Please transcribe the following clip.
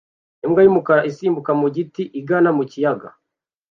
Imbwa y'umukara isimbukira mu igiti igana mu kiyaga